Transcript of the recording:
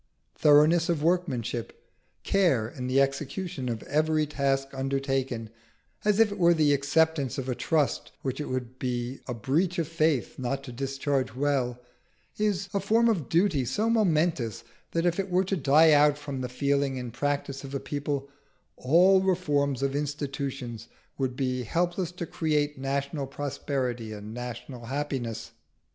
Thoroughness of workmanship, care in the execution of every task undertaken, as if it were the acceptance of a trust which it would be a breach of faith not to discharge well, is a form of duty so momentous that if it were to die out from the feeling and practice of a people, all reforms of institutions would be helpless to create national prosperity and national happiness.